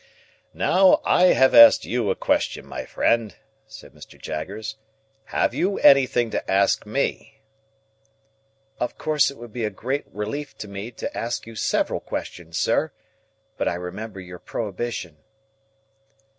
"Now, I have asked you a question, my friend," said Mr. Jaggers. "Have you anything to ask me?" "Of course it would be a great relief to me to ask you several questions, sir; but I remember your prohibition."